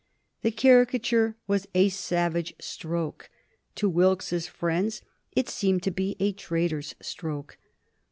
The caricature was a savage stroke; to Wilkes's friends it seemed to be a traitor's stroke.